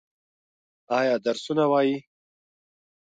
ایا درسونه وايي؟